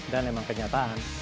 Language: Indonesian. dan emang kenyataan